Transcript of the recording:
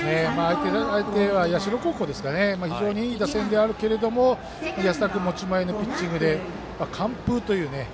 相手は社高校でいい打線ではあるけれども安田君、持ち前のピッチングで完封という。